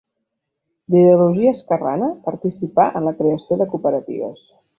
D'ideologia esquerrana, participà en la creació de cooperatives.